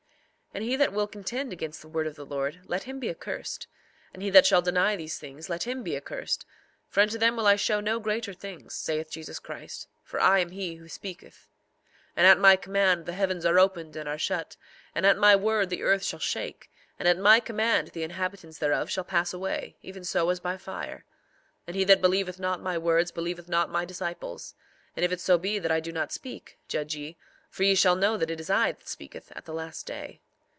4:8 And he that will contend against the word of the Lord, let him be accursed; and he that shall deny these things, let him be accursed; for unto them will I show no greater things, saith Jesus Christ; for I am he who speaketh. 4:9 And at my command the heavens are opened and are shut; and at my word the earth shall shake; and at my command the inhabitants thereof shall pass away, even so as by fire. 4:10 And he that believeth not my words believeth not my disciples; and if it so be that I do not speak, judge ye; for ye shall know that it is I that speaketh, at the last day.